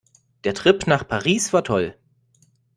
Der Trip nach Paris war toll.